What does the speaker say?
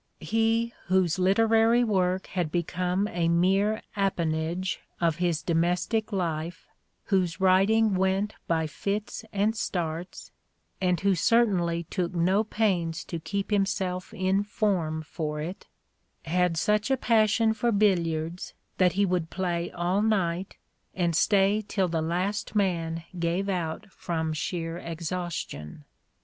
He, whose literary work had become a mere appanage of his domestic life, whose writing went by fits and starts, and who certainly took no pains to keep himself in form for it, had such a passion for billiards that he would play all night and "stay till the last man gave out from sheer exhaustion."